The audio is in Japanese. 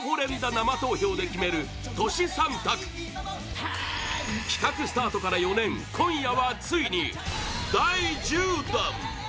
生投票で決めるＴｏｓｈｌ３択企画スタートから４年今夜はついに第１０弾！